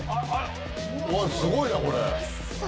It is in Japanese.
・おぉすごいなこれ！